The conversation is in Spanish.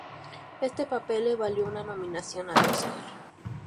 Este papel le valió una nominación al Oscar.